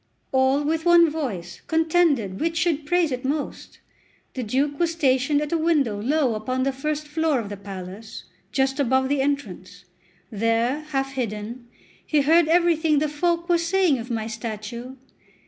All with one voice contended which should praise it most. The Duke was stationed at a window low upon the first floor of the palace, just above the entrance; there, half hidden, he heard everything the folk were saying of my statue.